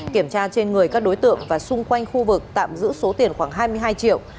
kiểm tra trên người các đối tượng và xung quanh khu vực tạm giữ số tiền khoảng hai mươi hai triệu